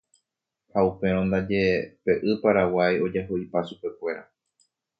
ha upérõ ndaje pe y Paraguái ojaho'ipa chupekuéra.